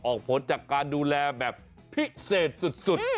ผลจากการดูแลแบบพิเศษสุด